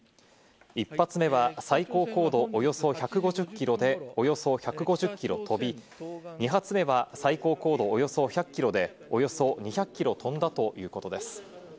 １発目は最高高度およそ１５０キロで、およそ１５０キロ飛び、２発目は最高高度およそ１００キロでおよそ２００キロ飛んだということです。